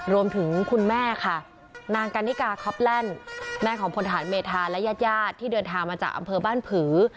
คุณแม่ค่ะนางกันนิกาคอปแล่นแม่ของพลทหารเมธาและญาติญาติที่เดินทางมาจากอำเภอบ้านผือ